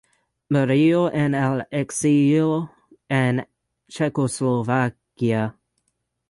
Murió en el exilio en Checoslovaquia.